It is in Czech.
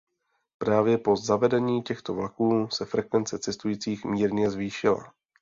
Právě po zavedení těchto vlaků se frekvence cestujících mírně zvýšila.